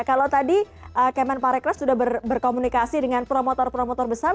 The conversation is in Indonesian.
kalau tadi kemen parekras sudah berkomunikasi dengan promotor promotor besar